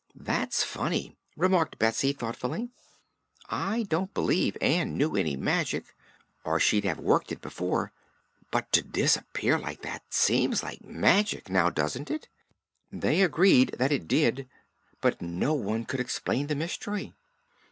"That's funny," remarked Betsy thoughtfully. "I don't believe Ann knew any magic, or she'd have worked it before. But to disappear like that seems like magic; now, doesn't it?" They agreed that it did, but no one could explain the mystery.